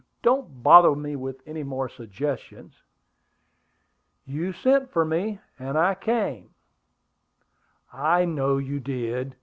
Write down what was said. Don't bother me with any more suggestions." "You sent for me, and I came." "I know you did.